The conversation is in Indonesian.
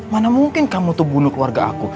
mana mungkin kamu tuh bunuh keluarga aku